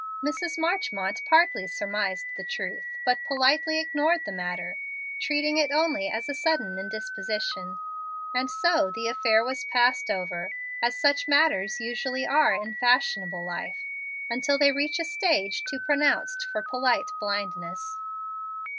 Mrs. Marchmont partly surmised the truth, but politely ignored the matter, treating it only as a sudden indisposition; and so the affair was passed over, as such matters usually are in fashionable life until they reach a stage too pronounced for polite blindness.